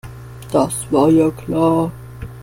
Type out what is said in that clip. Das war ja klar.